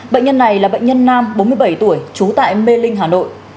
bệnh nhân này là bệnh nhân nam bốn mươi bảy tuổi trú tại mê linh hà nội